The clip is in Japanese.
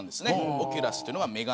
オキュラスというのは眼鏡。